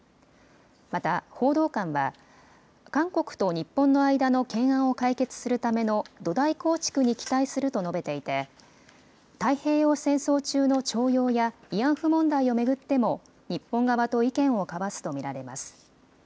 また報道官は、韓国と日本の間の懸案を解決するための土台構築に期待すると述べていて太平洋戦争中の徴用や慰安婦問題を巡っても日本側と意見を交わすと見られます。